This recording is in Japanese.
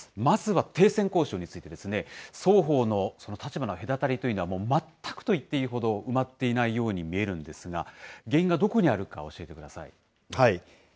まずは停戦交渉についてですね、双方の立場の隔たりというのは全くと言っていいほど埋まっていないように見えるんですが、原因がどこにあるか教えてください。